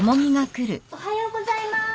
・おはようございます。